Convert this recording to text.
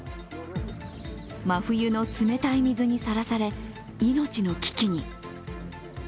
真冬の冷たい水にさらされ、命の危機に。